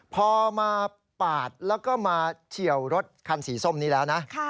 พอมาปาดแล้วก็มาเฉียวรถคันสีส้มนี้แล้วนะ